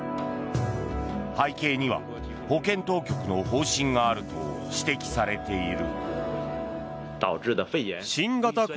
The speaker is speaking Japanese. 背景には保護当局の方針があると指摘されている。